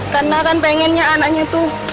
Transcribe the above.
karena kan pengennya anaknya itu